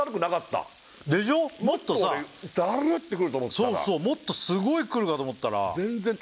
もっと俺そうそうもっとすごいくるかと思ったらあっ